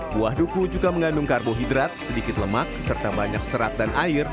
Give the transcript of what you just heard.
buah duku juga mengandung karbohidrat sedikit lemak serta banyak serat dan air